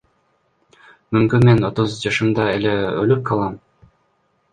Мүмкүн мен отуз жашымда эле өлүп калам?